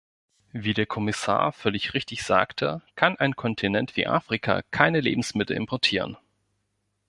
Wie der Kommissar völlig richtig sagte, kann ein Kontinent wie Afrika keine Lebensmittel importieren.